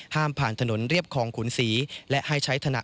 ห้ามผ่านถนนเรียบคลองขุนสี